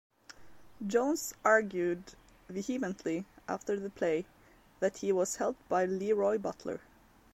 Jones argued vehemently after the play that he was held by LeRoy Butler.